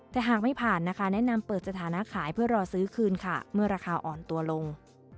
แต่หากไม่ผ่านนะคะแนะนำเปิดสถานะขายเพื่อรอซื้อคืนค่ะเมื่อราคาอ่อนตัวลง